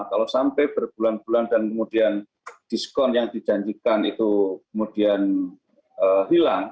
kalau sampai berbulan bulan dan kemudian diskon yang dijanjikan itu kemudian hilang